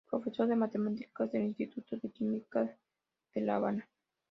Profesor de matemáticas del Instituto de Química de La Habana.